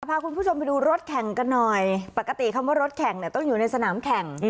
พาคุณผู้ชมไปดูรถแข่งกันหน่อยปกติคำว่ารถแข่งเนี่ยต้องอยู่ในสนามแข่ง